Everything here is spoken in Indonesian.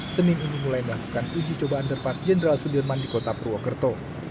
senin ini mulai melakukan uji coba underpass jenderal sudirman di kota purwokerto